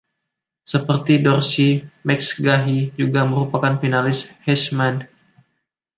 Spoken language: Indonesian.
Seperti Dorsey, McGahee juga merupakan finalis Heisman.